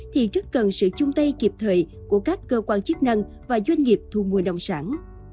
thì rất cần sự chung tay kịp thời của các cơ quan chức năng và doanh nghiệp thu mua nông sản